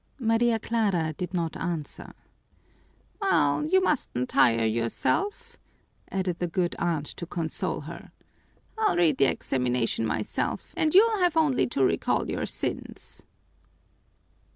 _" Maria Clara did not answer. "Well, you mustn't tire yourself," added the good aunt to console her. "I'll read the examination myself and you'll have only to recall your sins."